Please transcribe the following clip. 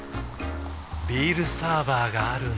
ビールサーバーがある夏。